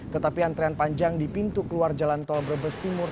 tetapi antrian panjang di pintu keluar jalan tol brebes timur